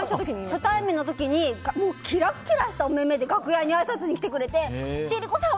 初対面の時にキラキラした目で楽屋にあいさつに来てくれて千里子さん